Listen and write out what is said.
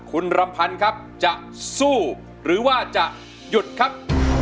คุณรำพันธ์ครับจะสู้หรือว่าจะหยุดครับ